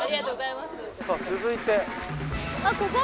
続いて。